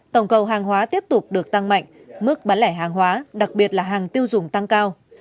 tổng cầu hàng hóa tiếp tục được tăng mạnh mức bán lẻ hàng hóa đặc biệt là hàng tiêu dùng tăng cao